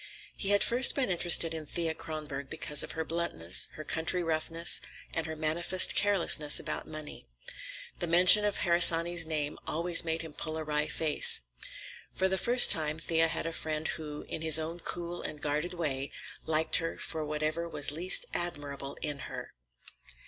He had first been interested in Thea Kronborg because of her bluntness, her country roughness, and her manifest carefulness about money. The mention of Harsanyi's name always made him pull a wry face. For the first time Thea had a friend who, in his own cool and guarded way, liked her for whatever was least admirable in her.